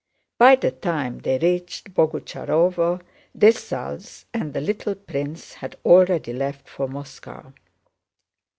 By the time they reached Boguchárovo, Dessalles and the little prince had already left for Moscow.